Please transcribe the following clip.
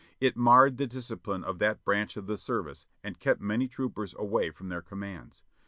It marred the discipline of that branch of the service and kept many troopers away from their commands.